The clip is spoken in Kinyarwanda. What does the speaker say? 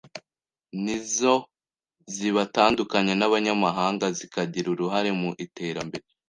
Ni zo zibatandukanya n’abanyamahanga zikagira uruhare mu iterambere